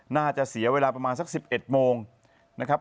น่าจะเสียเวลาประมาณสัก๑๑โมงนะครับ